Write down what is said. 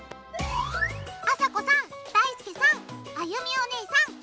あさこさんだいすけさんあゆみおねえさん！